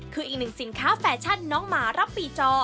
คืออีกหนึ่งสินค้าแฟชั่นน้องหมารับปีจอ